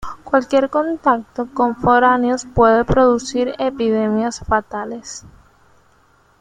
Cualquier contacto con foráneos puede producir epidemias fatales.